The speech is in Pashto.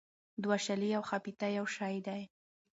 دوه شلې او ښپيته يو شٸ دى